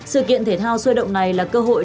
sự kiện thể thao sôi động này là cơ hội